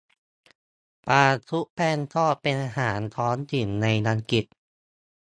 ปลาชุบแป้งทอดเป็นอาหารท้องถิ่นในอังกฤษ